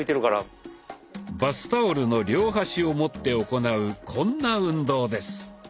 バスタオルの両端を持って行うこんな運動です。